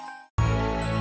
saya butuh bantuan